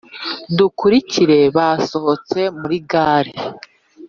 dukurikire.basohotse muri gare